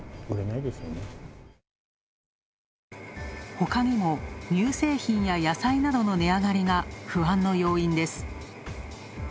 他にも、乳製品や野菜等の値上がりが不安の要因です。